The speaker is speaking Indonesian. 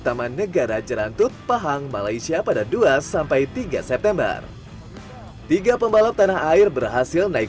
taman negara jerantut pahang malaysia pada dua tiga september tiga pembalap tanah air berhasil naik